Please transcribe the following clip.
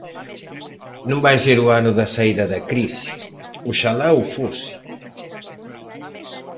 Non vai ser o ano da saída da crise, oxalá o fose.